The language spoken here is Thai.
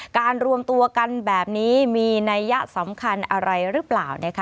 การรวมตัวกันแบบนี้มีนัยยะสำคัญอะไรหรือเปล่านะคะ